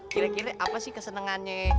kira kira apa sih kesenengannya